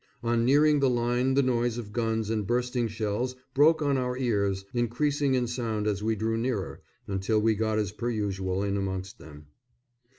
On nearing the line the noise of guns and bursting shells broke on our ears, increasing in sound as we drew nearer, until we got as per usual in amongst them.